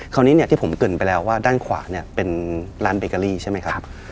คราวนี้เนี่ยที่ผมเกินไปแล้วว่าด้านขวาเนี่ยเป็นร้านเบเกอรี่ใช่ไหมครับ